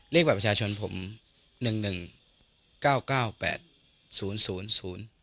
บัตรประชาชนผมหนึ่งหนึ่งเก้าเก้าแปดศูนย์ศูนย์ศูนย์ศูนย์